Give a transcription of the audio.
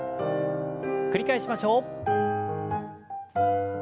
繰り返しましょう。